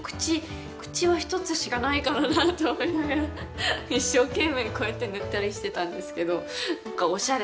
口は１つしかないからなと思いながら、一生懸命に塗ったりしてたんですけど。